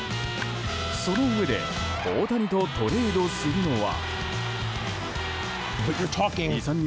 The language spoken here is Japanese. そのうえで大谷とトレードするのは。